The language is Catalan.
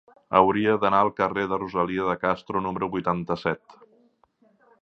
Hauria d'anar al carrer de Rosalía de Castro número vuitanta-set.